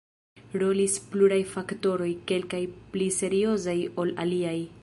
Rolis pluraj faktoroj, kelkaj pli seriozaj ol aliaj.